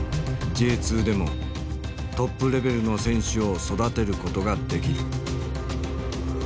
Ｊ２でもトップレベルの選手を育てることができる。